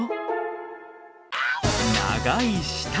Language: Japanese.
長い舌！